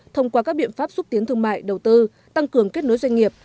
thông qua các biện pháp xúc tiến thương mại đầu tư tăng cường kết nối doanh nghiệp